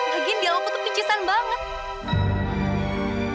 lagian dialogku tuh pincisan banget